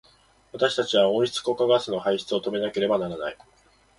私たちは温室効果ガスの排出を止めなければならない。